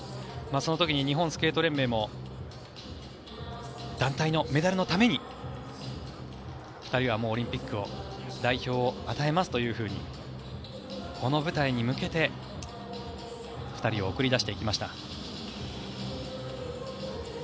その時に日本スケート連盟も団体のメダルのために２人はオリンピック代表を与えますとこの舞台に向けて２人を送り出していきました。